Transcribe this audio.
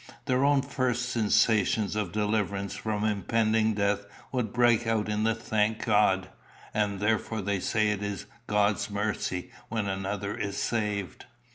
Their own first sensation of deliverance from impending death would break out in a 'thank God,' and therefore they say it is God's mercy when another is saved.